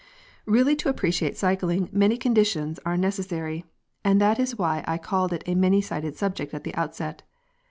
p> Really to appreciate cycling many conditions are necessary, and that is why I called it a many sided subject at the outset.